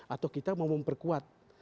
atau kita mau memperkuat